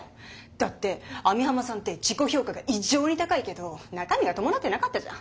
だって網浜さんって自己評価が異常に高いけど中身が伴ってなかったじゃん？